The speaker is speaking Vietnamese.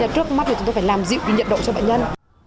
trước mắt thì chúng tôi phải làm dịu nhiệt độ cho bệnh nhân